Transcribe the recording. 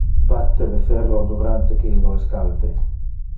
Batte le ferro durante que illo es calde.